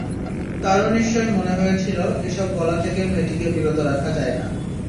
তাঁরও নিশ্চয় মনে হয়েছিল, এসব বলা থেকে মেয়েটিকে বিরত রাখা যায় না।